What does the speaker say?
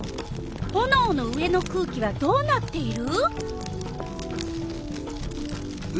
ほのおの上の空気はどうなっている？